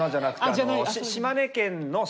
あっ島根県の「島」。